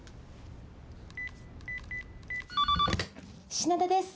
☎品田です。